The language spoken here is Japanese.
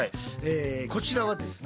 こちらはですね